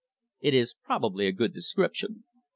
It is probably a good description.